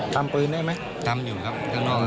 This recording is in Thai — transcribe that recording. ทำปืนได้ไหม